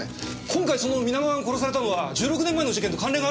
今回その皆川が殺されたのは１６年前の事件と関連があるんですか？